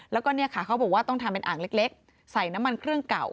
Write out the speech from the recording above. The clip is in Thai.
แล้วก็เนี่ยค่ะเขาบอกว่าต้องทำเป็นอ่างเล็กใส่น้ำมันเครื่องเก่า